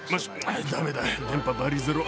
駄目だ、電波バリゼロ。